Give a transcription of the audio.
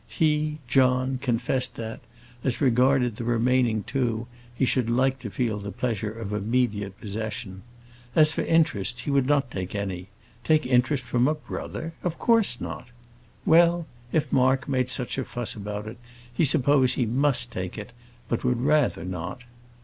He, John, confessed that, as regarded the remaining two, he should like to feel the pleasure of immediate possession. As for interest, he would not take any take interest from a brother! of course not. Well, if Mark made such a fuss about it, he supposed he must take it; but would rather not.